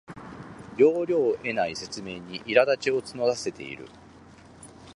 要領を得ない説明にいらだちを募らせている